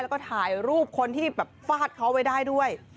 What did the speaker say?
แล้วก็ถ่ายรูปคนที่แบบฟาดเขาไว้ได้ด้วย